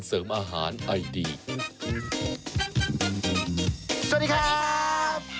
สวัสดีครับ